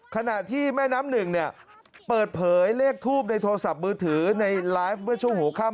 ขณะที่แม่น้ำหนึ่งเนี่ยเปิดเผยเลขทูปในโทรศัพท์มือถือในไลฟ์เมื่อช่วงหัวค่ำ